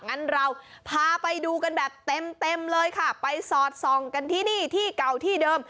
งั้นเราพาไปดูกันแบบเต็มเลยค่ะไปสอดส่องกันที่นี่ที่เก่าที่เดิม